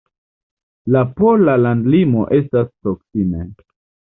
La pola landlimo estas proksime.